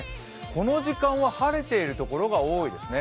この時間は晴れている所が多いですね。